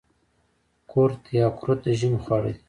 کورت یا قروت د ژمي خواړه دي.